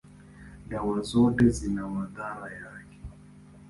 dawa zote zina madhara yake.